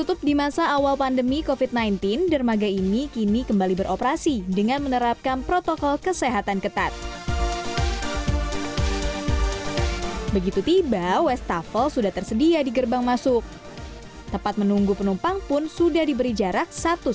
terima kasih bapak